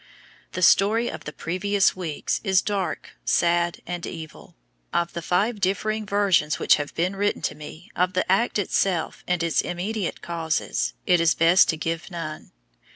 The story of the previous weeks is dark, sad, and evil. Of the five differing versions which have been written to me of the act itself and its immediate causes, it is best to give none.